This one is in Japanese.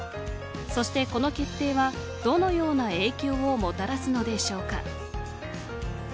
そして、この決定はどのような影響をもたらすのでしょうか。